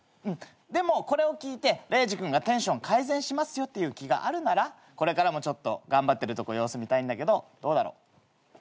でもこれを聞いてレイジ君がテンション改善しますよっていう気があるならこれからも頑張ってるとこ様子見たいけどどうだろう？